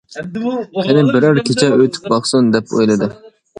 قېنى بىرەر كېچە ئۆتۈپ باقسۇن، دەپ ئويلىدى.